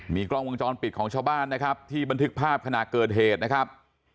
กล้องวงจรปิดของชาวบ้านนะครับที่บันทึกภาพขณะเกิดเหตุนะครับ